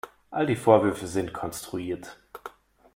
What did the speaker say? All die Vorwürfe sind konstruiert.